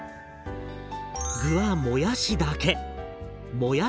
具はもやしだけ！